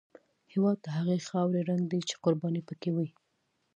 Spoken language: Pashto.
هېواد د هغې خاورې رنګ دی چې قرباني پکې وي.